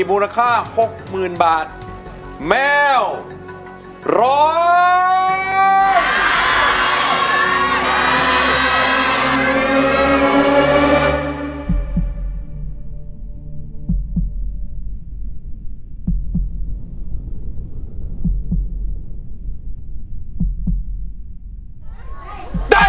ร้องได้ร้องได้ร้องได้ร้องได้ร้องได้ร้องได้